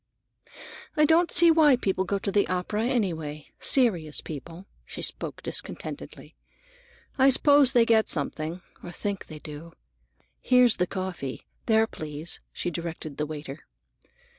"I don't see why people go to the opera, anyway,—serious people." She spoke discontentedly. "I suppose they get something, or think they do. Here's the coffee. There, please," she directed the waiter.